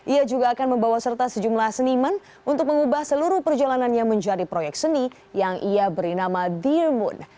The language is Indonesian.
ia juga akan membawa serta sejumlah seniman untuk mengubah seluruh perjalanannya menjadi proyek seni yang ia beri nama dear moon